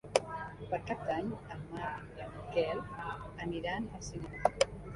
Per Cap d'Any en Marc i en Quel aniran al cinema.